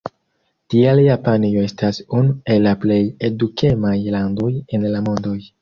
Tiel Japanio estas unu el la plej edukemaj landoj en la mondoj.